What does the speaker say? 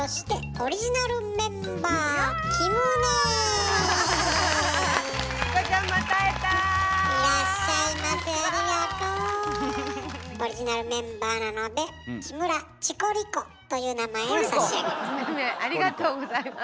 オリジナルメンバーなのでという名前を差し上げます。